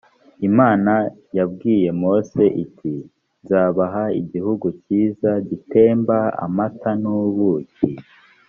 imana yabwiye mose iti: nzabaha igihugu cyiza gitemba amata n’ ubuki